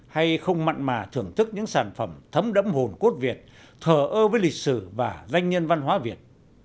hay không mặn mà thưởng thức những sản phẩm thấm đẫm hồn cốt việt thở ơ với lịch sử và danh nhân văn hóa việt